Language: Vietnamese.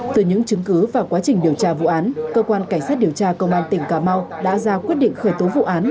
từ những chứng cứ và quá trình điều tra vụ án cơ quan cảnh sát điều tra công an tỉnh cà mau đã ra quyết định khởi tố vụ án